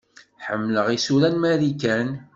Ḥemmleɣ isura n Marikan.